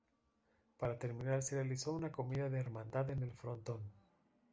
Para terminar se realizó una comida de hermandad en el frontón.